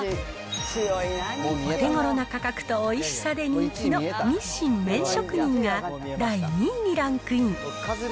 お手ごろな価格とおいしさで人気の日清麺職人が、第２位にランクイン。